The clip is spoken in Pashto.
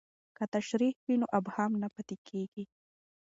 که تشریح وي نو ابهام نه پاتې کیږي.